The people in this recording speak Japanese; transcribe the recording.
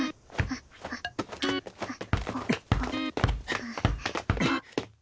あっああ。